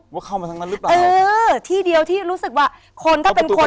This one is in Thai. ว่าเข้ามาทางนั้นหรือเปล่าเออที่เดียวที่รู้สึกว่าคนถ้าเป็นคน